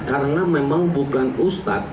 karena memang bukan ustad